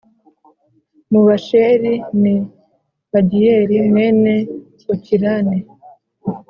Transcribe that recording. mu Bashēri ni Pagiyeli mwene Okirani